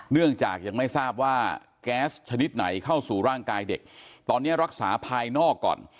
เนื่องจากยังไม่ทราบว่าแก๊สชนิดไหนเข้าสู่ร่างกายเด็กตอนนี้รักษาภายนอกก่อน